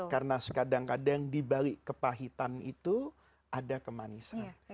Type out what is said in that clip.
karena kadang kadang di balik kepahitan itu ada kemanisan